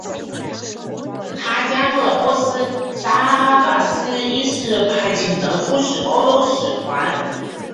他加入了波斯沙阿阿拔斯一世派遣的出使欧洲使团。